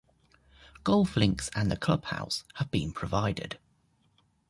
Golf links and a clubhouse have been provided.